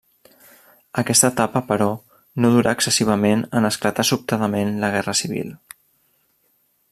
Aquesta etapa però no durà excessivament en esclatar sobtadament la Guerra Civil.